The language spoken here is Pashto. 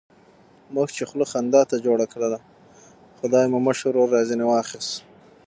موږ چې خوله خندا ته جوړه کړله، خدای مو مشر ورور را ځنې واخیست.